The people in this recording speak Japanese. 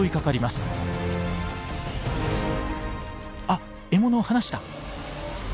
あっ獲物を離した！